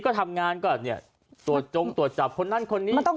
ก็ทำงานก่อนเนี่ยตรวจจงตรวจจับคนนั้นคนนี้